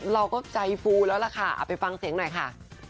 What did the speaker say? เราก็ใจฟูแล้วล่ะค่ะเอาไปฟังเสียงหน่อยค่ะ